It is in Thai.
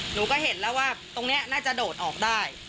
หนูก็เห็นแล้วว่าตรงนี้น่าจะโดดออกได้